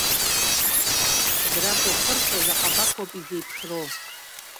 Зракәа хырҵәаз аҟабақ ауп изеиԥшроу.